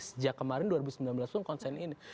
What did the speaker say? sejak kemarin dua ribu sembilan belas pun konsen ini